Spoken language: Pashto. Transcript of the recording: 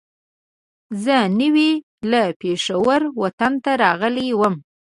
زه نوی له پېښوره وطن ته راغلی وم.